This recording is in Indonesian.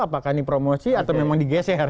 apakah dipromosi atau memang digeser